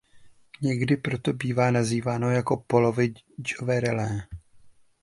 Někdy proto bývá nazýváno jako polovodičové relé.